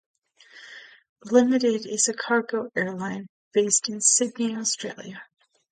Limited is a cargo airline based in Sydney, Australia.